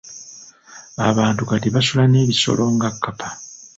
Abantu kati basula n'ebisolo nga kkapa.